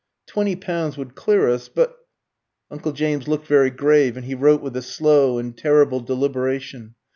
"Twenty pounds would clear us; but " Uncle James looked very grave, and he wrote with a slow and terrible deliberation.